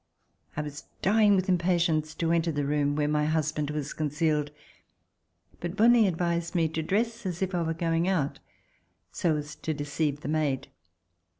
I was dying with impatience to enter the room where my husband was concealed, but Bonle advised me to dress as if I were going out, so as to deceive the maid.